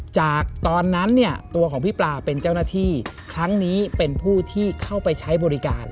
จากตอนนั้นเนี่ยตัวของพี่ปลาเป็นเจ้าหน้าที่ครั้งนี้เป็นผู้ที่เข้าไปใช้บริการ